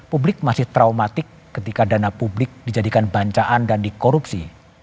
publik masih traumatik ketika dana publik dijadikan bancaan dan dikorupsi